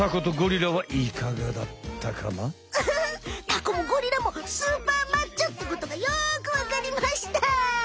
タコもゴリラもスーパーマッチョってことがよくわかりました！